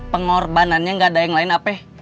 pengorbanannya nggak ada yang lain apa